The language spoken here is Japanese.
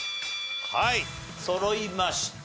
はいそろいました。